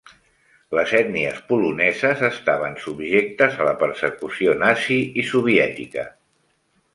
Les ètnies poloneses estaven subjectes a la persecució nazi i soviètica.